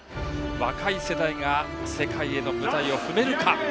若い世代が世界への舞台を踏めるか。